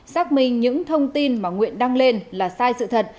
xác minh những thông tin mà nguyện đăng lên là sai sự thật